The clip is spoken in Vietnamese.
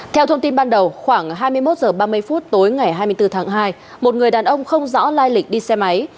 theo thông tin ban đầu khoảng hai mươi một h ba mươi phút tối ngày hai mươi bốn tháng hai một người đàn ông không rõ lai lịch đi xe máy